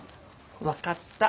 分かった。